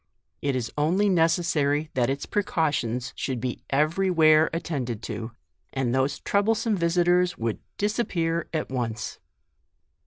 It is only necessary that its precautions should be every where attended to, and those troublesome visitors would disappear at once.